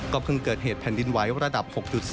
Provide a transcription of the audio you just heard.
เพิ่งเกิดเหตุแผ่นดินไหวระดับ๖๒